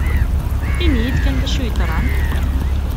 Ini-yi-d kan d acu yeḍran!